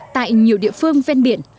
tại nhiều địa phương ven biển